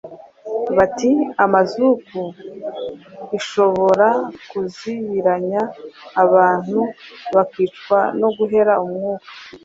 bita amazuku ishobora kuzibiranya abantu bakicwa no guhera umwuka.